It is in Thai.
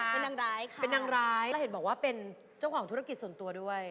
เป็นนางร้ายค่ะเป็นนางร้ายแล้วเห็นบอกว่าเป็นเจ้าของธุรกิจส่วนตัวด้วย